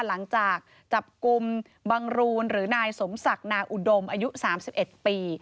หลังจากจับกลุ่มบังรูนหรือนายสมศักดิ์นาอุดมอายุ๓๑ปี